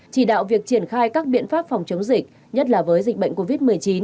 chỉ đạo việc triển khai các biện pháp phòng chống dịch nhất là với dịch bệnh covid một mươi chín